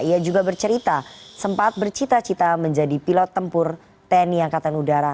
ia juga bercerita sempat bercita cita menjadi pilot tempur tni angkatan udara